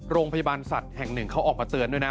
โรงพยาบาลสัตว์แห่งหนึ่งเขาออกมาเตือนด้วยนะ